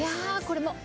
これもう。